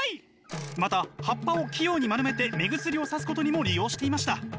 また葉っぱを器用に丸めて目薬をさすことにも利用していました。